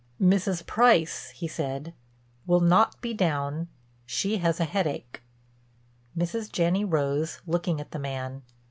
"Mrs. Price," he said, "will not be down—she has a headache." Mrs. Janney rose, looking at the man.